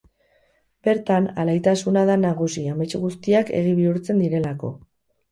Bertan, alaitasuna da nagusi amets guztiak egi bihurtzen direlako.